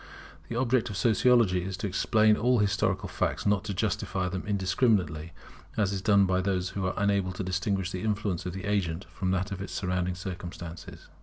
The object of Sociology is to explain all historical facts; not to justify them indiscriminately, as is done by those who are unable to distinguish the influence of the agent from that of surrounding circumstances.